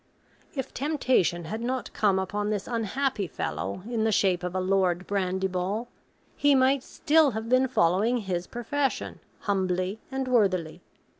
If temptation had not come upon this unhappy fellow in the shape of a Lord Brandyball, he might still have been following his profession, humbly and worthily.